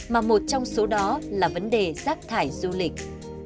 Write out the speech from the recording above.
mà một trong số đó là vấn đề rác thải du lịch